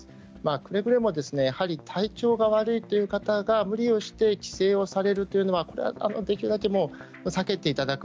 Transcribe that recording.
くれぐれもやはり体調が悪いという方が無理をして帰省されるのは、できるだけ避けていただく。